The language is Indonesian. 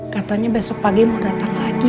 katanya besok pagi mau datang lagi